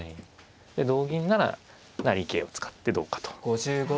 同銀なら成桂を使ってどうかと。